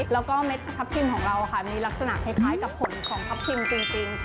แล้วก็เม็ดทับทิมของเราค่ะมีลักษณะคล้ายกับผลของทัพทิมจริง